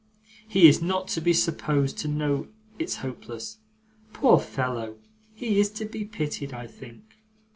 He is not to be supposed to know it's hopeless. Poor fellow! He is to be pitied, I think!